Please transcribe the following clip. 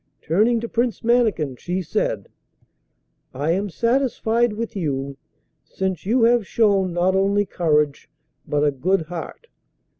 Turning to Prince Mannikin, she said: 'I am satisfied with you, since you have shown not only courage but a good heart.